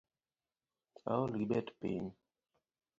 Aol gi bet piny